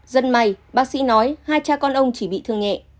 rất may bác sĩ nói hai cha con ông chỉ bị thương nhẹ